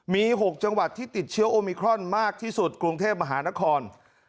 มี๖จังหวัดที่ติดเชื้อโอมิครอนมากที่สุดกรุงเทพมหานคร